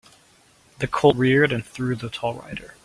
The colt reared and threw the tall rider.